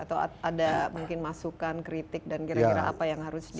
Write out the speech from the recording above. atau ada mungkin masukan kritik dan kira kira apa yang harus di